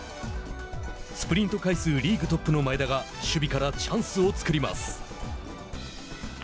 スプリント回数リーグトップの前田が守備からチャンスを作ります。